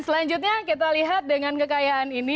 dan selanjutnya kita lihat dengan kekayaan ini